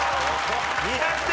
２００点！